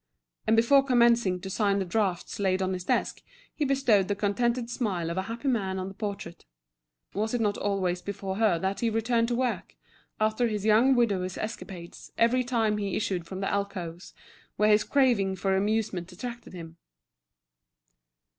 And before commencing to sign the drafts laid on his desk, he bestowed the contented smile of a happy man on the portrait. Was it not always before her that he returned to work, after his young widower's escapades, every time he issued from the alcoves where his craving for amusement attracted him?